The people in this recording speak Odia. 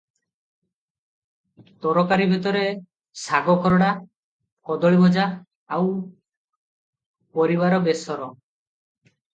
ତରକାରୀ ଭିତରେ ଶାଗ ଖରଡ଼ା, କଦଳୀ ଭଜା, ଆଉ ପରିବାର ବେଶର ।